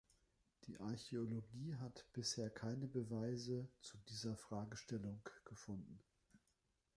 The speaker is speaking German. Die Archäologie hat bisher keine Beweise zu dieser Fragestellung gefunden.